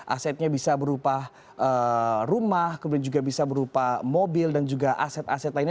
asetnya bisa berupa rumah kemudian juga bisa berupa mobil dan juga aset aset lainnya